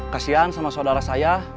kasian sama saudara saya